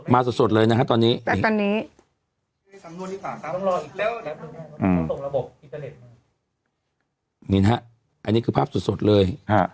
มาสดเลยนะฮะตอนนี้แมนนี่นะอันนี้คือภาพสดเลย